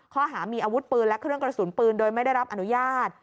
ข้อหามีอาวุธปืนและเครื่องกระสุนปืนโดยไม่ได้รับอนุญาต